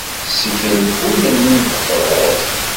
Sgel ul-nni n teqṛuṛt.